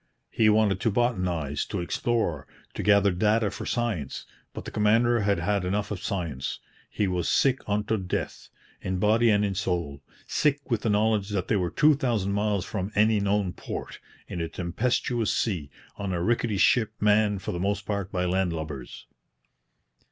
He wanted to botanize, to explore, to gather data for science; but the commander had had enough of science. He was sick unto death, in body and in soul, sick with the knowledge that they were two thousand miles from any known port, in a tempestuous sea, on a rickety ship manned for the most part by land lubbers.